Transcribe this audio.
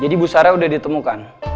jadi ibu sarah udah ditemukan